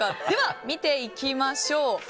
では見ていきましょう。